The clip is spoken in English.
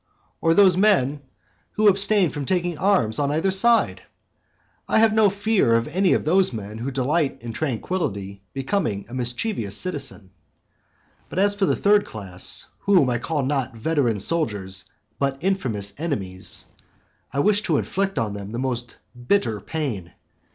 Or those men who abstain from taking arms on either side? I have no fear of any of those men who delight in tranquility becoming a mischievous citizen. But as for the third class, whom I call not veteran soldiers, but infamous enemies, I wish to inflict on them the most bitter pain.